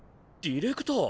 ディレクター？